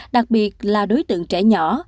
đặc biệt là đối tượng trẻ nhỏ